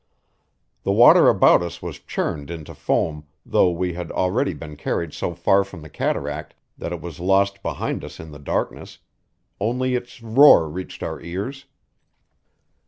The water about us was churned into foam, though we had already been carried so far from the cataract that it was lost behind us in the darkness; only its roar reached our ears.